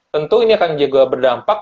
tentu ini akan juga berdampak